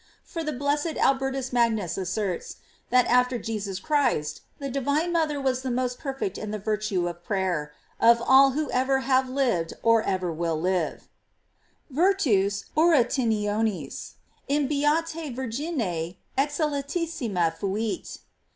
* For the blessed Al bertus Magnus asserts, that after Jesus Christ, the divine mother was the most perfect in the virtue of prayer, of all who ever have lived or ever will live: " Virtus orationis in B. Virgine excellentissima fuit."